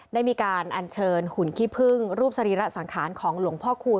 ได้มีการอัญเชิญหุ่นขี้พึ่งรูปสรีระสังขารของหลวงพ่อคูณ